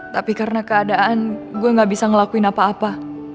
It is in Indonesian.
tapi karena keadaan gue gak bisa ngelakuin apa apa